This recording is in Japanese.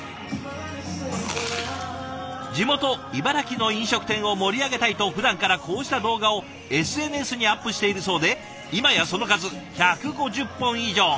地元茨城の飲食店を盛り上げたいとふだんからこうした動画をＳＮＳにアップしているそうで今やその数１５０本以上。